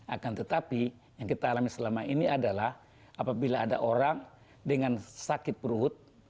akan tetapi yang kita alami selama ini adalah apabila ada orang dengan sakit perut